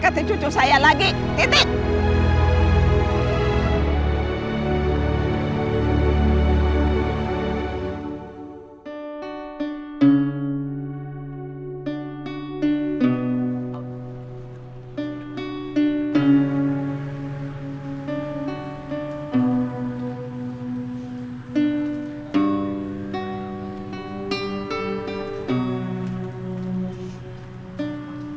kamu bisa mengarang seribu alasan